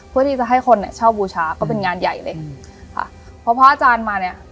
เพื่อที่จะให้คนเนี้ยเช่าบูชาก็เป็นงานใหญ่เลยอืมค่ะเพราะพระอาจารย์มาเนี้ย